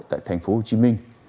tại thành phố hồ chí minh